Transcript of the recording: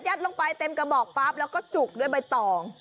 ลงไปเต็มกระบอกปั๊บแล้วก็จุกด้วยใบตอง